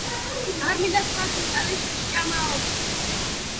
არ მინდამ ცხრა ხინკალი შესჭამაო